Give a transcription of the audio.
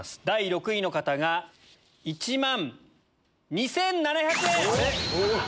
第６位の方が１万２７００円！